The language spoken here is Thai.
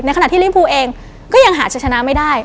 ขณะที่ลิฟูเองก็ยังหาจะชนะไม่ได้